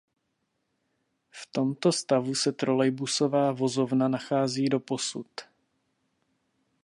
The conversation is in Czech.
V tomto stavu se trolejbusová vozovna nachází doposud.